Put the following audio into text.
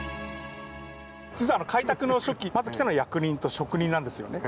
実は開拓の初期まず来たのは役人と職人なんですよね。